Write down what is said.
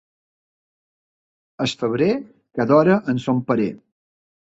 Al febrer, cada hora en son parer.